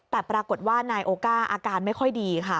แต่ปรากฏว่านายโอก้าอาการไม่ค่อยดีค่ะ